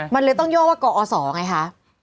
มันเลยต้องย่อว่ากอศไงคะ